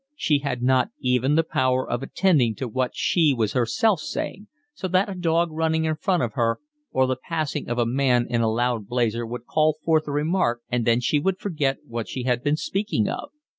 She had not even the power of attending to what she was herself saying, so that a dog running in front of her or the passing of a man in a loud blazer would call forth a remark and then she would forget what she had been speaking of.